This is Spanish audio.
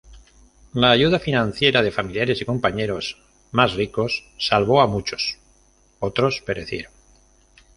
La ayuda financiera de familiares y compañeros más ricos salvó a muchos; otros perecieron.